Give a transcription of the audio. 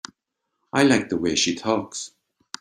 I like the way she talks.